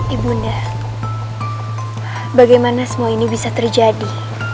ibu nda bagaimana semua ini bisa terjadi